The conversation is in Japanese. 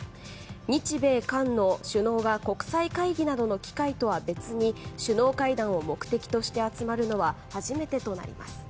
日米韓の首脳が国際会議などの機会とは別に首脳会談を目的として集まるのは初めてとなります。